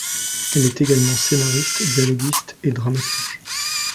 Elle est également scénariste, dialoguiste et dramaturge.